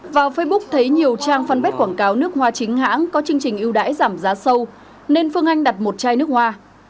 vào facebook thấy nhiều trang fanpage quảng cáo nước hoa chính hãng có chương trình ưu đãi giảm giá sâu nên phương anh đặt một chai nước hoa